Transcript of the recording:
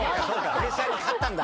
プレッシャーに勝ったんだ。